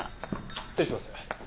失礼します。